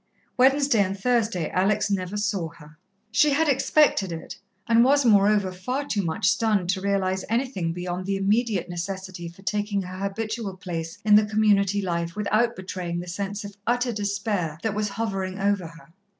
Wednesday and Thursday Alex never saw her. She had expected it, and was, moreover, far too much stunned to realize anything beyond the immediate necessity for taking her habitual place in the Community life without betraying the sense of utter despair that was hovering over her.